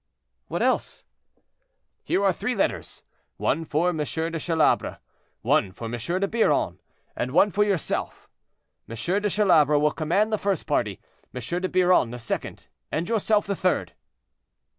"What else?" "Here are three letters; one for M. de Chalabre, one for M. de Biron, and one for yourself. M. de Chalabre will command the first party, M. de Biron the second, and yourself the third."